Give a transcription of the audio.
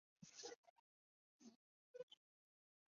皇太极还吸收了明朝的科举制度。